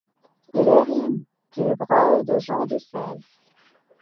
Il hérite du Breuil de Jean de Selve.